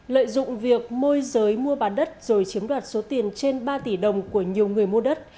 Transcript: lợi dụng việc môi giới mua bán đất rồi chiếm đoạt số tiền trên ba tỷ đồng của nhiều người mua đất